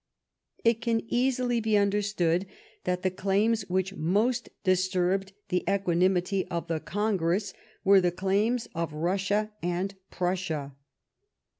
It can easily be understood that the claims which most disturbed the equanimity of the Congress were the claims of liussia and Prussia.